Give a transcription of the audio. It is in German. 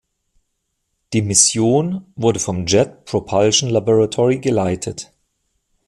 Die Mission wurde vom Jet Propulsion Laboratory geleitet.